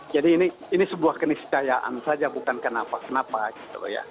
jadi ini sebuah kenisdayaan saja bukan kenapa kenapa gitu ya